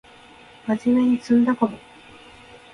まじめに詰んだかも